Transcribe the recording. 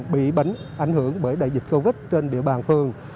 bị bánh ảnh hưởng bởi đại dịch covid trên địa bàn phường